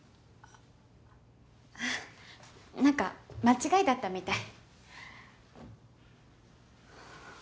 なんか間違いだったみたい。